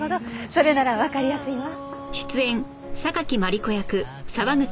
それならわかりやすいわ。